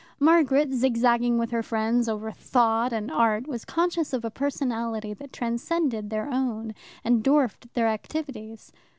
Margaret, zigzagging with her friends over Thought and Art, was conscious of a personality that transcended their own and dwarfed their activities.